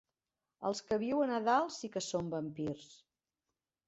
Els que viuen a dalt sí que són vampirs.